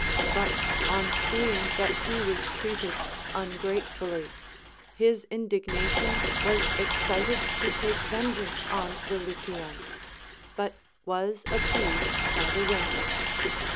But on seeing that he was treated ungratefully, his indignation was excited to take vengeance on the Lycians, but was ap peased by the women.